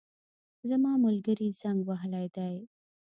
زما ملګري زنګ وهلی دی